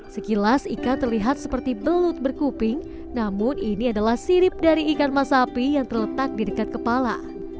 sekilas ikan terlihat seperti belut berkuping namun ini adalah sirip dari ikan masapi yang terletak di dekat kepala